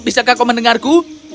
bisakah kau mendengarku